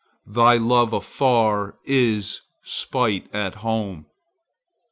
Thy love afar is spite at home.